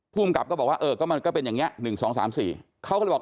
ภูมิกับก็บอกว่าเออก็มันก็เป็นอย่างนี้๑๒๓๔เขาก็เลยบอก